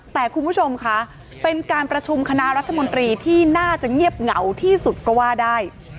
แต่คุณผู้ชมคะเป็นการประชุมคณะรัฐมนตรีที่น่าจะเงียบเหงาที่สุดก็ว่าได้